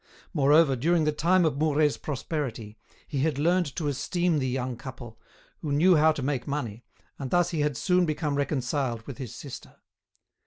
Moreover, during the time of Mouret's prosperity, he had learnt to esteem the young couple, who knew how to make money, and thus he had soon become reconciled with his sister.